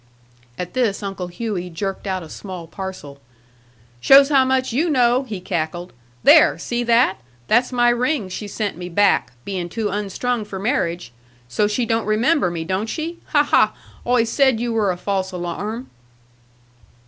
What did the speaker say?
At this Uncle Hughey jerked out a small parcel. "Shows how much you know!" he cackled. "There! See that! That's my ring she sent me back, being too unstrung for marriage. So she don't remember me, don't she? Ha ha! Always said you were a false alarm."